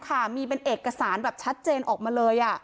ค่ะมีเป็นเอกสารแบบชัดเจนออกมาเลย